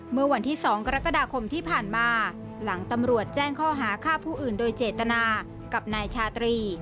เมื่อวันที่๒กรกฎาคมที่ผ่านมาหลังตำรวจแจ้งข้อหาฆ่าผู้อื่นโดยเจตนากับนายชาตรี